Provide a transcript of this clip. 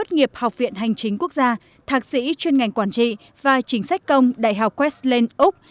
nghiệp học viện hành chính quốc gia thạc sĩ chuyên ngành quản trị và chính sách công đại học westland úc